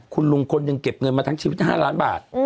คุณลุงคนหนึ่งเก็บเงินมาทั้งชีวิต๕ล้านบาท